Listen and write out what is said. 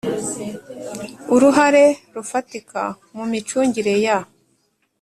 Uruhare rufatika mu micungire ya